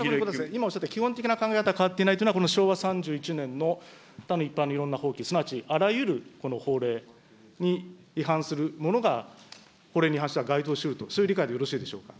今おっしゃった基本的な考え方は変わっていないというのは、この昭和３１年の他の一般のいろんな法規、すなわちあらゆる法令に違反するものが、これにはんした該当と、これでよろしいでしょうか。